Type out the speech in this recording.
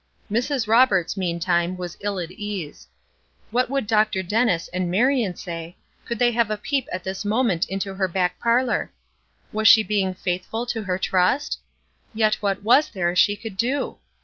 Mrs. Roberts, meantime, was ill at ease. What would Dr. Dennis and Marion say, could they have a peep at this moment into her back parlor? Was she being faithful to her trust? Yet what was there she could do?